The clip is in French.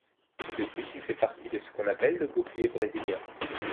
De plus il fait partie de ce qu'on appelle le bouclier brésilien.